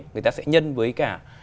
người ta sẽ nhân với cả